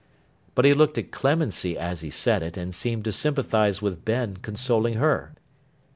But he looked at Clemency as he said it, and seemed to sympathise with Ben, consoling her.